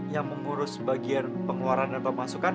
yang mengurus bagian pengeluaran dan pemasukan